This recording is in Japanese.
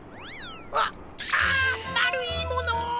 わっあっまるいもの！